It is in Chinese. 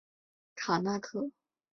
卡那刻。